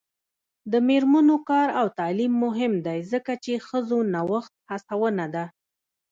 د میرمنو کار او تعلیم مهم دی ځکه چې ښځو نوښت هڅونه ده.